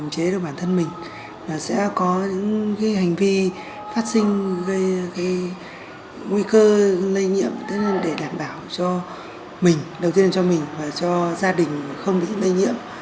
để đảm bảo cho mình đầu tiên là cho mình và cho gia đình không bị lây nhiễm